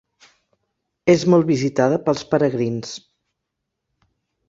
És molt visitada pels peregrins.